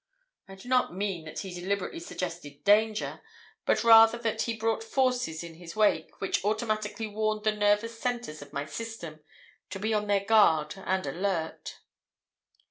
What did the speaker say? I do not mean that he deliberately suggested danger, but rather that he brought forces in his wake which automatically warned the nervous centres of my system to be on their guard and alert.